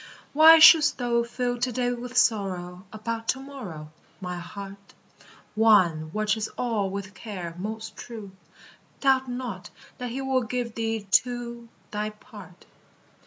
Why shouldst thou fill to day with sorrow About to morrow. My heart? One watches all with care most true; Doubt not that he will give thee too Thy part.